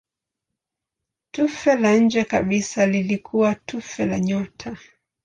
Tufe la nje kabisa lilikuwa tufe la nyota.